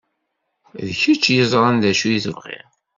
D kečč i yeẓran d acu i tebɣiḍ!